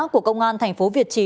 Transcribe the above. của công an thành phố việt trì